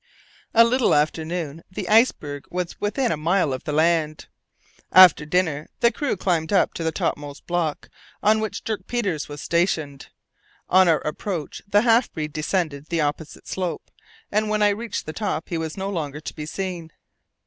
A little after noon, the iceberg was within a mile of the land. After their dinner, the crew climbed up to the topmost block, on which Dirk Peters was stationed. On our approach the half breed descended the opposite slope, and when I reached the top he was no longer to be seen.